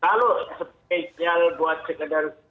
kalau spesial buat sekedar